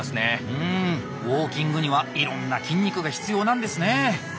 うんウォーキングにはいろんな筋肉が必要なんですね！